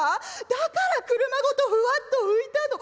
だから俥ごとふわっと浮いたの。